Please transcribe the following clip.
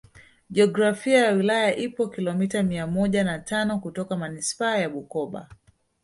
Jiografia ya wilaya ipo kilomita mia moja na tano kutoka Manispaa ya Bukoba